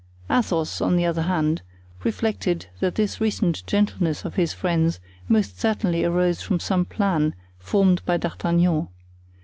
Athos, on the other hand, reflected that this recent gentleness of his friends most certainly arose from some plan formed by D'Artagnan.